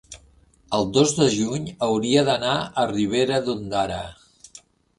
el dos de juny hauria d'anar a Ribera d'Ondara.